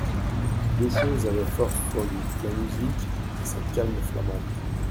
Deux choses avaient force sur lui, la musique et cette calme Flamande.